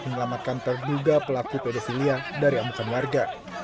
menyelamatkan terduga pelaku pedocilia dari amukan warga